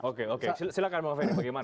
oke oke silahkan pak feni bagaimana